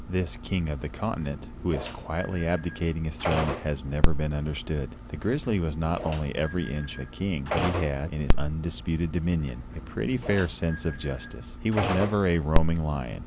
This king of the continent, who is quietly abdicating his throne, has never been understood. The grizzly was not only every inch a king, but he had, in his undisputed dominion, a pretty fair sense of justice. He was never a roaring lion.